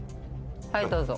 はいどうぞ。